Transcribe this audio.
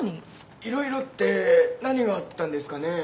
いろいろって何があったんですかね？